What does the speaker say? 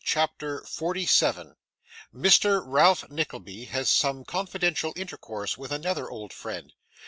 CHAPTER 47 Mr. Ralph Nickleby has some confidential Intercourse with another old Friend.